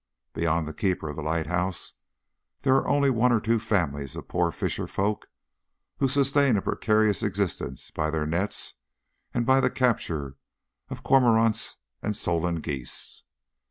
Beyond the keeper of the lighthouse there are only one or two families of poor fisher folk, who sustain a precarious existence by their nets, and by the capture of cormorants and solan geese.